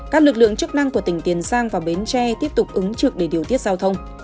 các lực lượng chức năng của tỉnh tiền giang và bến tre tiếp tục ứng trực để điều tiết giao thông